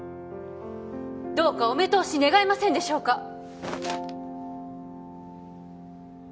どうかお目通し願えませんでしょうか？